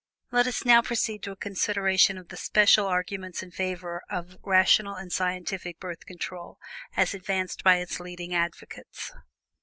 Let us now proceed to a consideration of the special arguments in favor of rational and scientific Birth Control as advanced by its leading advocates.